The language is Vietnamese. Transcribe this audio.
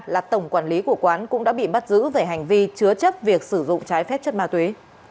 là tổng quản lý của quán cũng đã bị bắt giữ về hành vi chứa chấp việc sử dụng trái phép chất ma túy